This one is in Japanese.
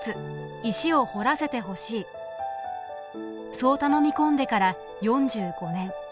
そう頼み込んでから４５年。